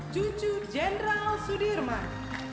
cucu jenderal sudirman